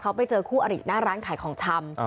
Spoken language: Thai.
เขาไปเจอคู่อริหน้าร้านขายของชำ